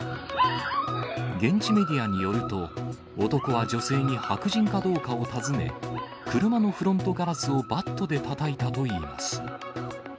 現地メディアによると、男は女性に白人かどうかを尋ね、車のフロントガラスをバットでたたいたといいます。